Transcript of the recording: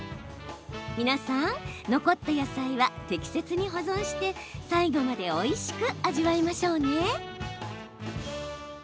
皆さん、残った野菜は適切に保存して最後までおいしく味わいましょうね。